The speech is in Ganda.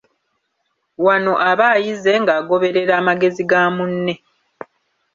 Wano aba ayize ng'agoberera amagezi ga munne.